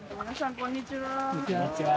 こんにちは。